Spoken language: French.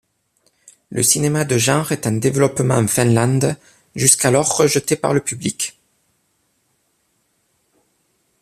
Le cinéma de genre est en développement en Finlande, jusqu'alors rejeté par le public.